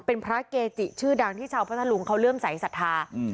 เป็นพระเกจิชื่อดังที่ชาวพัทธรุงเขาเริ่มใสสัทธา